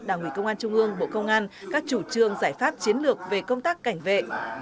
đảng ủy công an trung ương bộ công an các chủ trương giải pháp chiến lược về công tác cảnh vệ